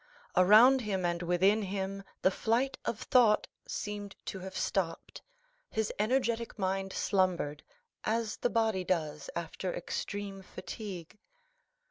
Around him and within him the flight of thought seemed to have stopped; his energetic mind slumbered, as the body does after extreme fatigue.